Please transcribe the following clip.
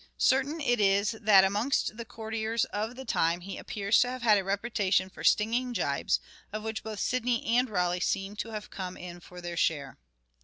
Certain it is that amongst the courtiers of the time he appears to have had a reputation for stinging jibes, of which both Sidney and Raleigh seem to have come in for their share.